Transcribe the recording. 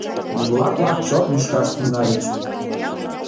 Бурлак-влак чот лӱшкаш тӱҥальыч.